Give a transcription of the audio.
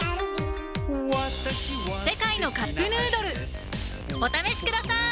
「世界のカップヌードル」お試しください！